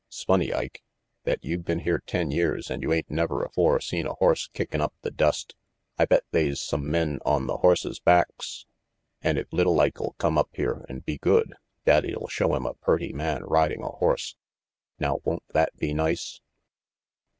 " 'Sfunny, Ike, that you been here ten years and you ain't never afore seen a horse kickin' up the dust. I bet they's some men on the horses' backs, and if little Ike'll come up here and be good, daddy'll show him a purty man riding a horse. Now won't that be nice?"